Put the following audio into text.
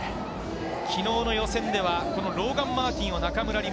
昨日の予選ではローガン・マーティンは中村輪